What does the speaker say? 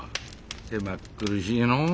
狭っ苦しいのう。